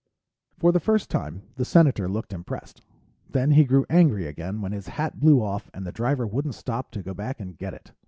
For the first time, the Senator looked impressed. Then he grew angry again when his hat blew off and the driver wouldn't stop to go back and get it.